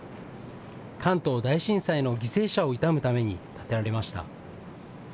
関東大震災の犠牲者を悼むために建てられました。